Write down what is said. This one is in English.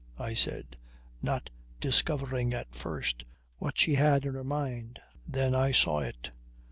I said, not discovering at first what she had in her mind. Then I saw it.